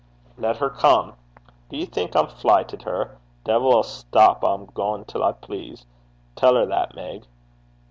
'Let her come. Duv ye think I'm fleyt at her? De'il a step 'll I gang till I please. Tell her that, Meg.'